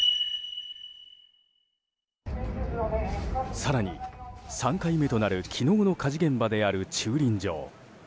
更に、３回目となる昨日の火事現場である駐輪場。